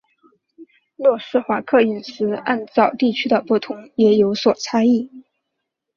斯洛伐克饮食按照地区的不同也有所差异。